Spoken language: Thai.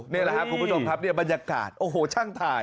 นี่แหละครับคุณผู้ชมครับเนี่ยบรรยากาศโอ้โหช่างถ่าย